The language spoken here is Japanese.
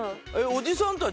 おじさん達